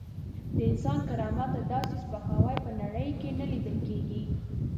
د انسان کرامت ته داسې سپکاوی په نړۍ کې نه لیدل کېږي.